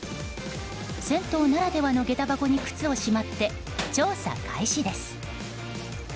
銭湯ならではの下駄箱に靴をしまって調査開始です。